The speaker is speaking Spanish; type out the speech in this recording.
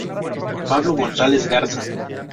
Pablo González Garza.